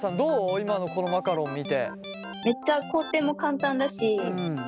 今のこのマカロン見て。